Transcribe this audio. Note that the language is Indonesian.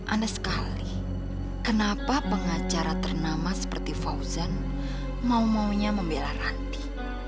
anda sekali kenapa pengacara ternama seperti fauzan mau maunya membela ranti